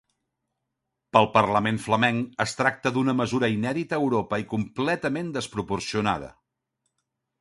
Pel parlament flamenc, es tracta d'una mesura inèdita a Europa i completament desproporcionada.